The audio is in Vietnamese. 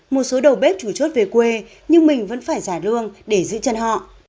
một số đầu bếp chủ chốt về quê nhưng mình vẫn phải giả lương để giữ chân họ